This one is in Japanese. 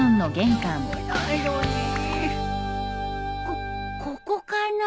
こここかな？